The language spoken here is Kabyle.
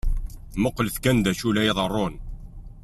Muqlet kan d acu i la iḍeṛṛun.